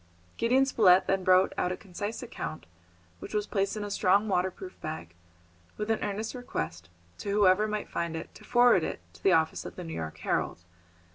Gideon Spilett then wrote out a concise account, which was placed in a strong waterproof bag, with an earnest request to whoever might find it to forward it to the office of the New York Herald.